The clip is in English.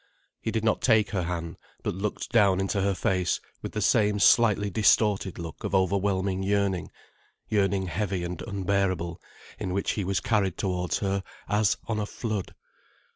He did not take her hand, but looked down into her face with the same slightly distorted look of overwhelming yearning, yearning heavy and unbearable, in which he was carried towards her as on a flood.